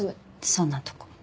そんなとこ。